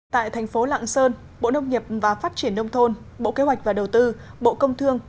tại thành phố lạng sơn bộ nông nghiệp và phát triển nông thôn bộ kế hoạch và đầu tư bộ công thương